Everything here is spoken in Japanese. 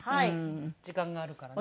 時間があるからね。